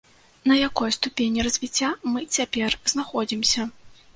На якой ступені развіцця мы цяпер знаходзімся?